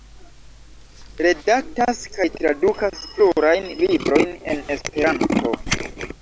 Redaktas kaj tradukas plurajn librojn en Esperanto.